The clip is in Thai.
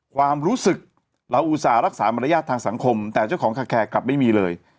ความรู้สึกเราอุตส่าห์รักษามารยาททางสังคมแต่เจ้าของคาแคร์กลับไม่มีเลย